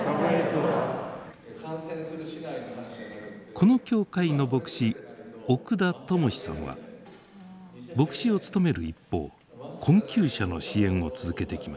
この教会の牧師奥田知志さんは牧師を務める一方困窮者の支援を続けてきました。